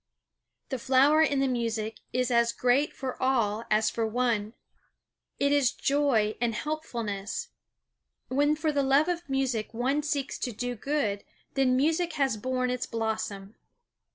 The flower in the music is as great for all as for one. It is joy and helpfulness. When for the love of music one seeks to do good then music has borne its blossom.